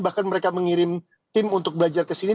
bahkan mereka mengirim tim untuk belajar kesini